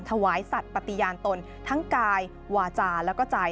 ถวายสัตว์ปฏิญาณตนทั้งกายวาจาแล้วก็ใจ